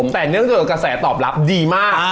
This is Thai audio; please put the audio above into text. แต่เนื่องจากกระแสตอบรับดีมาก